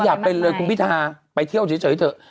อยากเป็นเลยคุณพิทาไปเที่ยวเฉยเถอะ